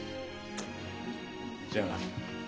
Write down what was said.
じゃあな。